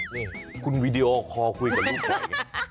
นี่คุณวิดีโอขอคุยกับลูกแม่อย่างนี้